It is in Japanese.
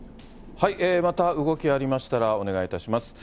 また動きがありましたら、お願いいたします。